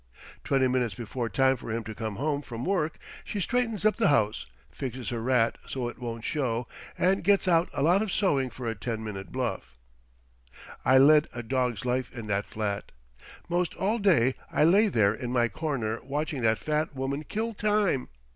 Twenty minutes before time for him to come home from work she straightens up the house, fixes her rat so it won't show, and gets out a lot of sewing for a ten minute bluff. I led a dog's life in that flat. 'Most all day I lay there in my corner watching that fat woman kill time.